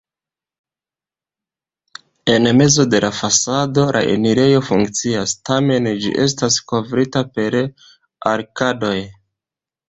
En mezo de la fasado la enirejo funkcias, tamen ĝi estas kovrita per arkadoj.